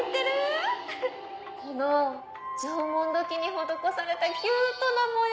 この縄文土器に施されたキュートな模様。